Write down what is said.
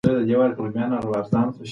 احمدشاه بابا د یو غښتلي نظام بنسټ کېښود.